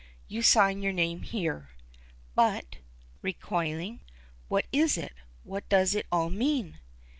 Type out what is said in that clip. "You sign your name here." "But," recoiling, "what is it? What does it all mean?"